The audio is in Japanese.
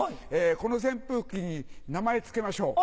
この扇風機に名前付けましょう。